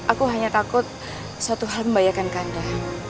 aku hanya takut suatu hal membahayakan ke anda